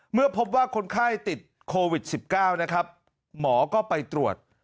เมื่อพบว่าคนไข้ติดโควิด๑๙นะครับหมอก็ไปตรวจ